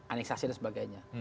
aneksasi dan sebagainya